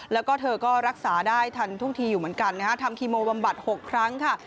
แล้วก็เธอก็รักษาได้ทันทุกทีอยู่เหมือนกันนะฮะทำคีโมบำบัด๖ครั้งค่ะ